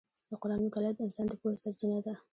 د قرآن مطالعه د انسان د پوهې سرچینه ده.